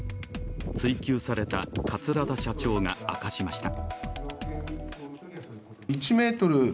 追及された桂田社長が明かしました。